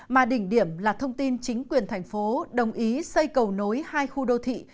mà đỉnh điểm là thông tin chính quyền thành phố đồng ý xây cầu nối hai khu đô thị